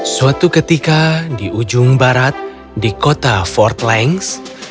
suatu ketika di ujung barat di kota fort lange